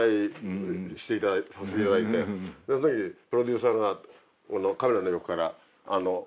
その時プロデューサーがカメラの横から。